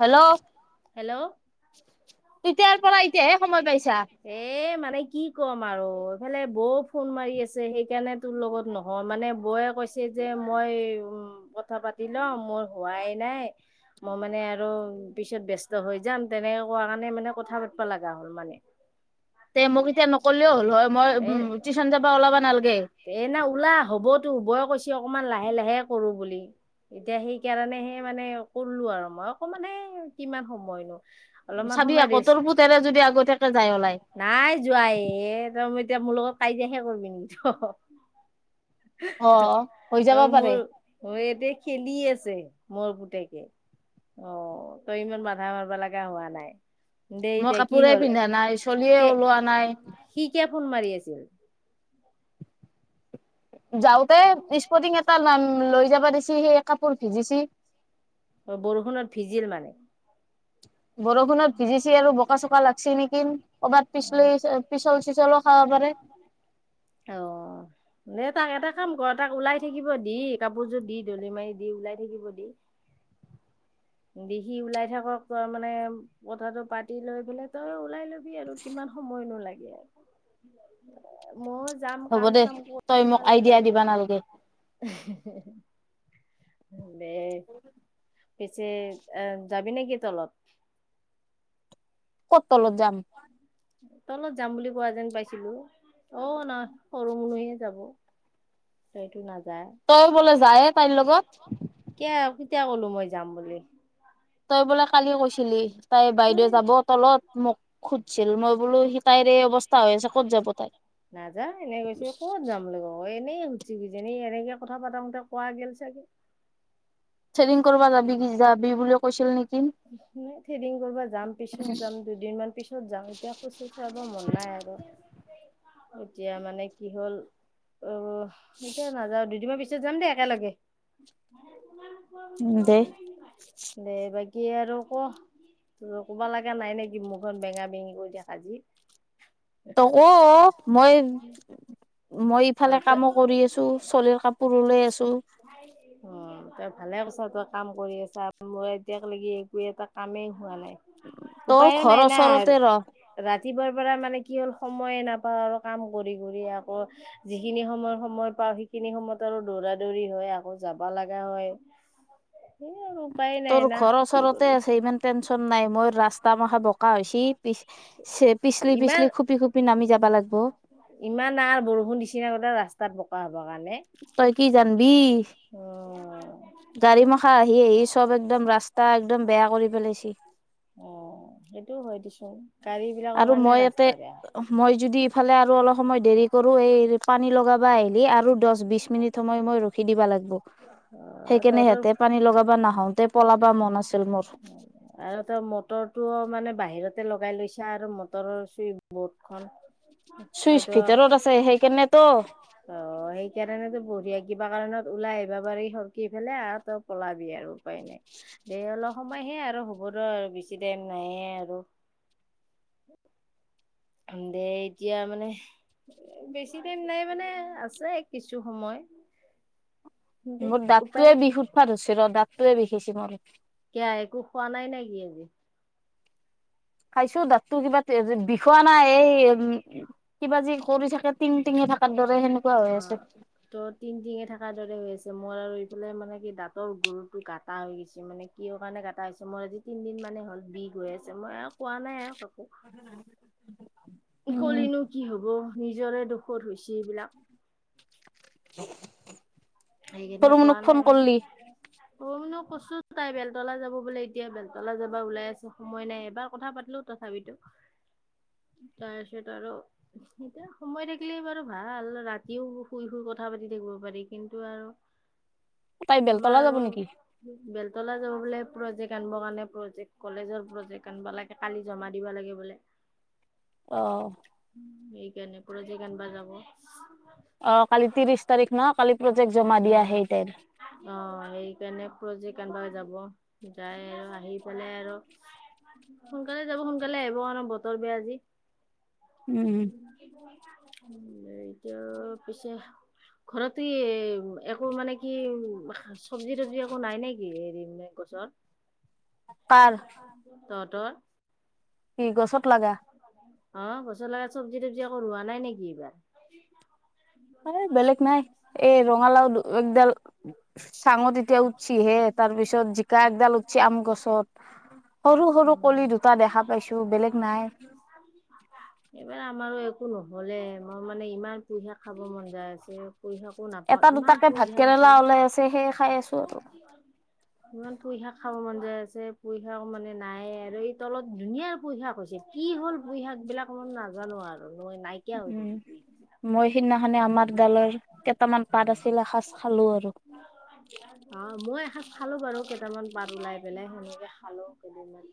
Hello hello তেতিয়াৰ পৰা এতিয়াহে সময় পাইছা এ মানে কি কম আৰু ইফালে বৌ ফোন মাৰি আছে, সেইকাৰণে তোৰ লগত নহয় মানে বৌৱে কৈছে যে মই উম কথা পাতি লওঁ। মোৰ হোৱাই নাই মই মানে আৰু পিছত ব্যস্ত হৈ যাম। তেনেকে কোৱা কাৰণে মানে কথা পাতিবা লগা হ'ল মানে। তে মোক এতিয়া নকলেও হ'ল হয় মই উ এ টিউশ্যন যাবা ওলাবা নালাগে। এ না ওলা হ'বতো বৌয় কৈছে অকমান লাহে লাহে কৰো বুলি, এতিয়া সেইকাৰণে হে মানে কৰলো আৰু মই অকমানানে কিমান সময়নো। অলপমান চাবি সময় আকৌ ৰেষ্ট, তোৰ পুতেৰে যদি আগতীয়াকে যাই ওলাই নাই যোৱাই এ' তেতিয়া মোৰ লগত কাজিয়হে কৰিবি নেকি? ত অ হৈ যাব অ' মোৰ পাৰে ইয়াতে খেলি আছে। মোৰ পুতেকে, অ' তই ইমান বাধা মাৰিব লগা হোৱা নাই। দে মই এতিয়া কি কাপোৰে হ'ল পিন্ধা নাই, চলিয়ে কে ওলোৱা নাই সি কিয় ফোন মাৰি আছিল। যাওঁতে স্পটিং এটা লৈ যাবা দিছে, সেই কাপোৰ ভিজিছে অ' বৰষুণত ভিজিল মানে? বৰষুণত ভিজিছে আৰু বোকা চোকা লাগিছে নেকি। ক'বাত পিছলি পিছল চিছলো খাব পাৰে। অ দে তাক এটা কাম কৰ তাক ওলাই থাকিব দি, কাপোৰযোৰ দি ধলি মাৰি দি ওলাই থাকিব দি। দেখি ওলাই থাকক তই মানে কথাটো পাতি লৈ পেলাই তই ওলাই লবি। আৰু কিমান সময়নো লাগে আৰু, মই যাম, হ'ব কাম দে চাম তই কৰিম মোক আৰু আইডিয়া যায়। দিবা নালগে দে পিছে আহ যাবি নে কি তলত? ক'ত অত তলত যাম [unintelligible] তলত যাম বুলি কোৱা যেন পাইছিলো, অ' নহ সৰু মনুহে যাব। সেইটো নাজ তই বোলে যায়ে তাইৰ লগত। তিয়া ক'লো মই যাম বুলি। তই বোলে কালি কৈছিলি, তাই বাইদেউ তই যাব তলত মোক খুধছিল, মই বোলো সি তাইৰে এই অৱস্থা হৈ আছে ক'ত যাব তাই। নাযা এনেই কৈছে, ক'ত যাম বুলি ক এনে এনেই সুধচি কি যানি এনেকে কথা পাতাতে কোৱা গেল চাগে। চেলিং কৰিব যাবি কি যাবি বুলি কৈছিল নেকি। থেদিং কৰিবা যাম পিছত যাম দুদিনমান পিছত যাম, এতিয়া খোজ চোজ কাঢ়বৰ মন নাই আৰু। এতিয়া মানে কি হ'ল অ এতিয়া নাযাওঁ, দুদিনৰমান পিছত যাম দেই একেলগে। উ দে দে বাকী আৰু ক তোৰ ক'বা লগা নাই নেকি মুখখন বেঙা বেঙি কৰি থাকা যি। তই ক' মই মই অ ইফালে তই কামো কৰি আছো, চলিৰ কাপোৰ লৈ আছো উ তই ভালে কৈছা তই কাম কৰি আছা মই এতিয়াক লাগি এটা কামেই হোৱা নাই, তোৰ উপায়ো ঘৰৰ নাই না। ওচৰতে ৰা ৰ ৰাতি পোৱাৰ পৰা মানে কি হ'ল সেইখিনি [unintelligible] তোৰ না ঘৰৰ কি ওচৰতে কৰিবি আছে ইমান টেনচন নাই মই ৰাস্তা মাশা বোকা হৈছি পি পিছলি ইমান পিছলি খুপি খুপি নামি যাবা লাগিব। ইমান ন বৰষুণ দিচিনা গতেই ৰাস্তাত ব তই কি জানবি উম। গাড়ী মাখা আহি আহি চব একদম ৰাস্তা একদম বেয়া কৰি পেলাইছে। অ' সেইটো হয় দিছোন। আৰু মই ইয়াতে মই যদি ইফালে আৰু অলপ সময় দেৰি কৰো এই পানী লগাবা আহিল। আৰু দহ বিশ মিনিট সময় মই ৰখি দিবা লাগিব অ', সেইকাৰনে তহঁতৰ সিহতে পানী লগাব নাহওঁ আৰু তেওঁ মটৰটো মানে বাহিৰত ততে লগাই লৈছা আৰু মটৰৰ চুইচ বৰ্ডখন চুইচ সেইটো ভিতৰত আছে সেইকাৰণে তো ো [unintelligible] বঢ়িয়া কিবা কাৰণত ওলাই আহিব পাৰি সৰকি পেলাই আৰু তই পলাবি আৰু উপায় নাই অলপ সময়হে আৰু হ'বতো আৰু বেছি টাইম নাই আৰু দে এতিয়া মানে বেছি দিন নাই মানে আছে কিছু সময় দে মোৰ উপায় দাঁতটোৱে বিষ উঠিব ধৰিছে ৰ দাঁতটোয়ে বিষাইছে মোৰ কিয় একো খোৱা নাই নেকি আজি খাইছো দাতটো কিবা বিষোৱা নাই এই উম কিবা যি কৰি থাকে টিং টিঙে থাকাত অ ত' তিনটিঙে থকাৰ দৰে হৈ আছে মোৰ আৰু বোলে মানে কি দাঁতৰ গৰুতটো [unintelligible] গাটা হৈ গৈছে মানে কি কাৰণে গাটা হৈছে মোৰ আজি তিনদিন মানে হ'ল বিষ গৈ আছে মই কোৱা নাই আৰু কাকো উম কলিনো কি হব নিজৰে দুখত হৈছে বিলাক হ সেইখিনিয় কোৱা নাই ম কছো তাই বেলতলা যাব বোলে এতিয়া বেলতলা যাবা ওলাই আছো সময় নাই এবাৰ কথা পাতিলো তথাপিতো [unintelligible] তাৰপিছত আৰু এতিয়া সময় থাকিলে বাৰু ভাল ৰাতিও শুই শুই কথা পাতি শুব পাৰি কিন্তু তাই আৰু আমাৰ বেলতলা যাব আৰু নেকি বেল তলা যাব বোলে প্ৰজেক্ট আনিব কাৰণে প্ৰজেক্ট কলেজৰ প্ৰজেক্ট আনিব লাগে কালি জমা দিব লাগে বোলে। আহ কেনে [unintelligible] প্ৰজেক্ট আনিব যাব অ কালি ত্ৰিশ তাৰিখ ন কালি প্ৰজেক্ট জমা অ দিয়া সেই তাইৰ অ সেইকাৰণে প্ৰজেক্ট বা যাব যাই আৰু আহি পেলাই আৰু সোনকালে যাব সোনকালে আহিব আৰু বতৰ বেয়া আজি উম এতিয়া পিছে ঘৰত স [unintelligible] একো মানে কি চব্জি তবজি একো নাই নে কি হেৰি বোলে গছত পাৰ তহঁতৰ কি গছত লগা অ পছলা চবজি তবজি আকো ৰোৱা নাই নেকি এইবাৰ অ বেলেগ নাই এই ৰঙালাও একডাল চাঙত এতিয়া উঠছি হে তাৰ পিছত জিকা একডাল উঠছি আম গছত সৰু সৰু কলি দুটা দেখা পাইছো বেলেগ নাই এইবাৰ আমাৰো একো নহ'লে মই মানে ইমান পুহে খাব মন যায় আছে পুঁই শাকো নাপাওঁ এটা ইমান দুটাকে পুঁই ভাত শাক আছিল কেৰেলা ওলাই আছে সেইয়ে খাই আছো আৰু ইমান পুই শাক খাব মন যায় আছে পুই শাক মানে নাই আৰু এই তলত ধুনীয়া পুই শাক হৈছে। কি হ'ল পুই শাক বিলাক মই নাজানো আৰু মই নাইকিয়া হৈ উম শাকবিলাক মই সিদিনাখে আমাৰ গালৰ কেইটামান পাট আছিল এসাঁজ খালোঁ আৰু। অ', মই এসাঁজ চালো বাৰু কেইটামান পাট উলাই পেলাই সেনেকে খালো কেইদিনমান।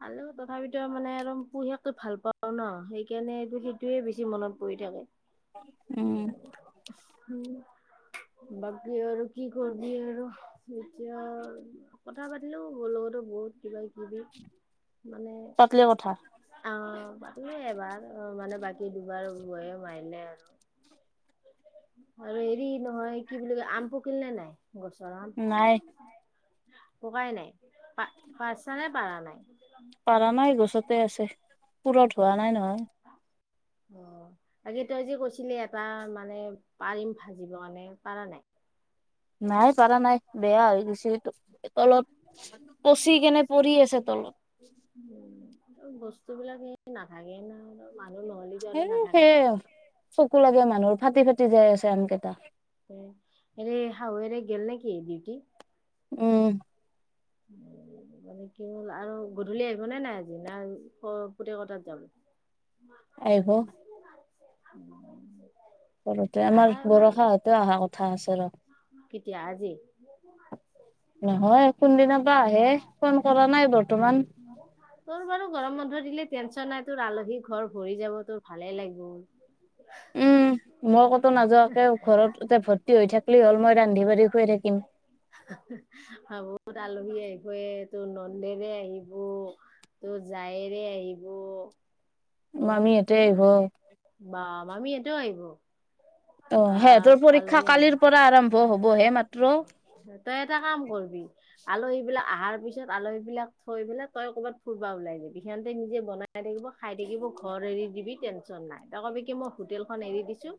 ভাল তথাপিতো মানে আৰু পুহিয়ৈ ভাল পাওঁ ন' সেইকাৰণে সেইটোৱে বেছি মনত পৰি থাকে। উম বাকী আৰু কি কৰ আৰু এতিয়া কথা পাতিলেও বও [unintelligible] লগতো বহুত কিবা কিবি মানে পাতলি কথা আহ পাতিলোঁ এবাৰ মানে বাকী দুবাৰ বয়ে মাৰিলে আৰু। আৰু হেৰি নহয় কি বুলি কয় আম পকিল নে নাই? গছৰ আম। নাই ককাই নাই প পাৰছা নে পাৰা নাই? পাৰা নাই গছতে আছে পুৰত হোৱা নাই নহয়। অ' বাকি তই যে কৈছিলি এটা মানে পাৰিম ভাজিবৰ কাৰণে পাৰা নাই? [inaudible] নাই পাৰা নাই বেয়া হৈ গৈছে সেইটো। আছে তলত উম, বস্তুবিলাক সেই নাথাকে না মানুহ নহ'লেতো হে আৰু নাথাকে সেই আৰু। চকু লাগে মানুহৰ ফাটি ফাটি যাই আছে আমকেইটা। হেৰি শাহুৱেৰে গেল নেকি ডিউটি? উম, উম, মানে কি হ'ল আৰু গধূলি আহিব নে নাই আজি না পুতেকৰ তাত যাব। [inaudible] আহিব সৰুতে আমাৰ আহাই ভাল বৰষা হতে অহা কথা আছে ৰ। কেতিয়া আজি? নহয় কোনদিনা বা আহে ফোন কৰা নাই বৰ্তমান। তোৰ বাৰু গৰম বন্ধ দিলে টেনচন নাই তোৰ আলহী ঘৰ ভৰি যাব তোৰ ভালে লাগিব। উম [inaudible] মই কতো নাযোৱাকে ঘৰত এ ভৰ্তি হৈ থাকিলেই হ'ল, মই ৰান্ধি বাঢ়ি খুৱাই থাকিম। ভাবোঁ তোৰ আলহী আহিব তোৰ নন্দেৰে আহিব। ত' যায়েৰে আহিব। উম, মামীহঁতে আহিব অ কিমান বা মামিহঁতেও আহিব। অ', আহ সিহঁতৰ পৰীক্ষা আলহী আহিলে কালিৰ পৰা আৰম্ভ হবহে মাত্ৰ। তই এটা কাম কৰবি আলহী বিলাক আহাৰ পিছত আলহী বিলাক থৈ পেলাই, তই ক'ৰবাত ফুুৰবা ওলাই যাবি সিহঁতে নিজে বনাই থাকিবি খাই থাকিব ঘৰ এৰি দিবি টেনচন নাই, তৈ কবি কি মই হোটেলখন এৰি দিছো।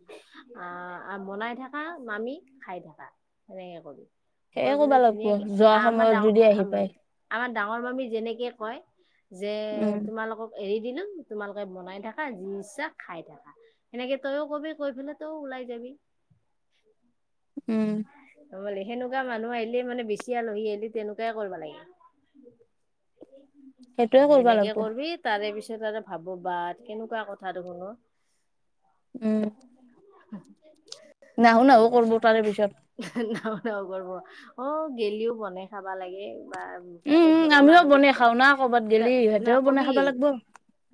আ, বনাই থাকা মামি খাই থাকা সেনেকে কবি। সেয়ে কৈ পেলে ক'বা লাগব ধুনীয়াকে যোৱা আমাৰ সময়ত ডা যদি আহি পায় আমাৰ ডাঙৰ মামি যেনেকে কয় যে উম তোমালোকক এৰি দিলো তোমালোকে বনাই থাকা যি ইচ্ছা খাই থাকা সেনেকে তইয়ো কবি কৈ পেলাই তইয়ো ওলাই যাবি। উম, সেনেকুৱা মানুহ আহিলে মানে বেচি আলহী আহিলি তেনেকুৱাই কৰবা লাগে। সেইটোয়ে কৰবা সেনেকে লাগব কৰবি তাৰে পিছত তাতে ভাব বা কেনেকুৱা কথা দেখোন অ, উম, [inaudible] নাহো নাাহো কৰব তাৰে পিছত ৰ অ' গেলিও বনাই খাবা লাগে। বা উম সিহঁতে উম ঘৰৰ আমিও মানুহ বনাই খাও না কৰ'বাত গেলি কিইতে ন ইহঁতেও বনাই কবি খাবা লাগব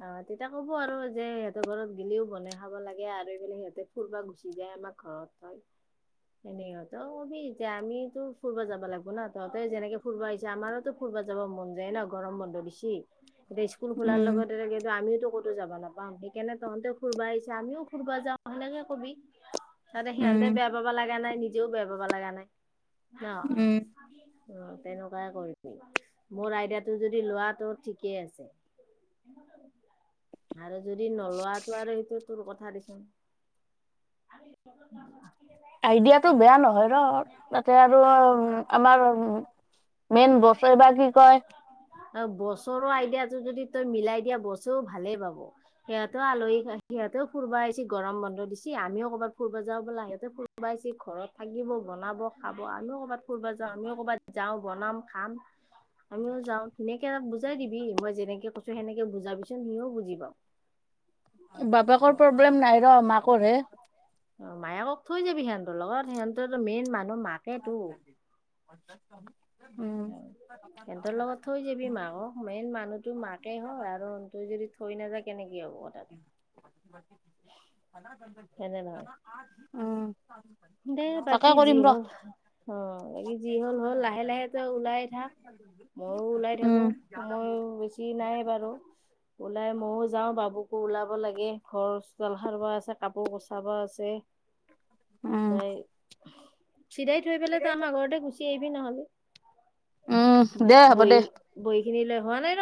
অ' তেতিয়া ক'ব আৰু যে সিহঁত ঘৰত গিলিও বনাই খাব লাগে, আৰু এইফালে সিহঁতে ফুৰব গুচি যায়। আমাক ঘৰত থয়। [unintelligible] সেইনেকা তই কবি যে আমিয়োতো ফুৰবা যাব লাগব না, তহঁতি যেনেকৈ ফুৰবা আহিছা আমাৰোতো ফুৰবা মন যায় ন গৰম বন্ধ দিছি, এতিয়া স্কুল খোলাৰ উম লগ [unintelligible] আমিওতো যাবা নাপাওঁ সেইকাৰণে তহঁতে ফুুৰবা আহিছে আমিও ফুুৰবা যাওঁ সেনেকে কবি। ততে উম সিহঁতে বেয়া পাবা লগা নাই নিজেও বেয়া পাবা লগা নাই ন' উম অ', তেনেকুৱাই কৰিবি মোৰ আইডিয়াটো যদি লোৱা তো ঠিকেই আছে। আৰু যদি নলোৱাটো আৰু সেইটো তোৰ কথা দিচোন। [unintelligible] আইডিয়াতটো বেয়া নহয় ৰ তাতে আৰু আমাৰ উ মেইন বছে বা কি কয়? অ' বছৰৰে আইডিয়াটো যদি তই মিলাই দিয়া, বছৰেও ভালেই পাব, সিহঁতেও আলহী সিহঁত ও ফুৰবা আহিছে গৰম বন্ধ দিছে, আমিও ক'ৰবাত ফুৰব যাওঁ বলাহ হেৰি ফুৰব সোমাইছে ঘৰত থাকিব বনাব খাব আমিও কবাই ফুৰব যাওঁ আমিও কৰ'ৰবাত যাওঁ, বনাম খাম। আমিও যাওঁ ধুনীয়াকে তাক বুজাই দিবি, মই যেনেকে কৈছো সেনেকে বুজাইদিবিচোন সিও বুজি পাব। [unintelligible] বাপেক প্ৰব্লেম নাই ৰ মাকৰহে তই যাবি সিহঁতৰ লগত সিহঁতো মেইন মানুহ মাকেতো। [unintelligible] সিহঁতৰ লগত থৈ যাবি মাকক মেইন মানুহতটো মাকে হয় আৰু তই যদি থৈ নাযায় কেনেক হ'ব পাত। হয়নে নহয়? উম। দে তাকে বাকি যি কৰিম ৰ হ'ল। অ' বাকী যি হ'ল হ'ল লাহে লাহে ত ওলাই থাক ময়ো ওলাই থাকো উম সময়ো বেছি নাই বাৰু ওলাই ময়ো যাওঁ বাবুকো ওলাব লাগে ঘৰ চোতাল সাৰিব আছে কাপোৰ কচাব আছে। উম তই চিধাই থৈ পেলাই তই আমাৰ ঘৰতে গুচি আহিবি নহ'লে। উম, দে হ'ব দে। কিনিলে হোৱা নাই ৰ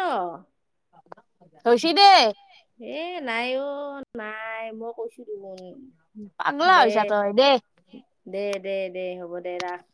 হৈছেদে এ নাই অ' নাই মই কৈছো দেখোন। পাগলা দে হয়ৈছা তই দে দে দে দে দে হ'ব দে ৰাস।